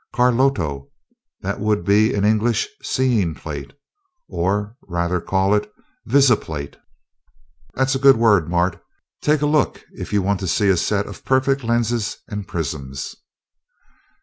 "Kraloto. That would be in English ... Seeing plate? Or rather, call it 'visiplate'." "That's a good word. Mart, take a look if you want to see a set of perfect lenses and prisms."